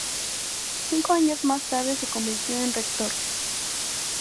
Cinco años más tarde se convirtió en rector.